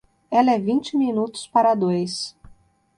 Ela é vinte minutos para dois.